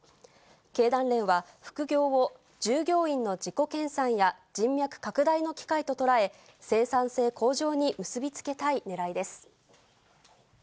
経団連は、副業を従業員の自己研さんや人脈拡大の機会と捉え、生産性向上に結び付けたいねらいです。